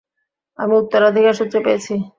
আমি উত্তরাধিকারসূত্রে পেয়েছি।